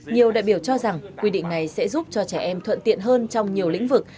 nhiều đại biểu cho rằng quy định này sẽ giúp cho trẻ em thuận tiện hơn trong nhiều lĩnh vực